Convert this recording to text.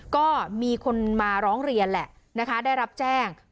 ก็มีคนมาร้องเรียนแหละนะคะได้รับแจ้ง